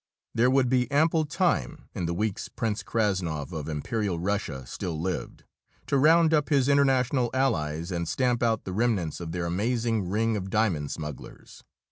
There would be ample time, in the weeks Prince Krassnov of Imperial Russia still lived, to round up his international allies and stamp out the remnants of their amazing ring of diamond smugglers.